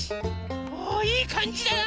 おおいいかんじだな！